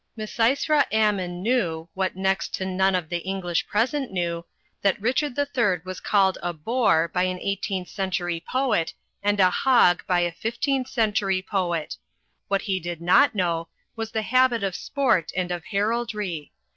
Misysra Ammon knew, what next to none of the English present knew, that Richard III was called a "boar" by an eighteenth century poet and a 'liog" by a fifteenth century poet. What he did not know was the habit of sport and of heraldry.